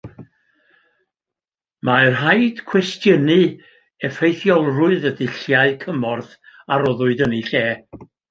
Mae rhaid cwestiynu effeithiolrwydd y dulliau cymorth a roddwyd yn eu lle